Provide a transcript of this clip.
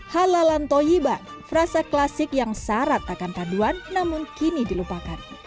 halalan toyiban frasa klasik yang syarat akan paduan namun kini dilupakan